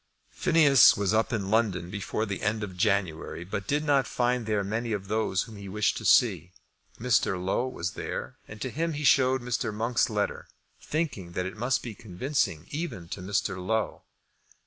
Phineas was up in London before the end of January, but did not find there many of those whom he wished to see. Mr. Low was there, and to him he showed Mr. Monk's letter, thinking that it must be convincing even to Mr. Low.